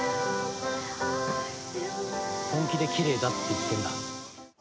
本気できれいだって言ってんだ。